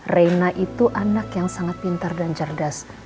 reina itu anak yang sangat pintar dan cerdas